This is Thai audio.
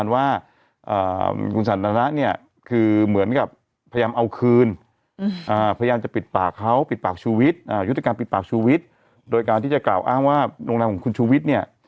ว่าโรงแรมของคุณชูวิทย์เนี่ย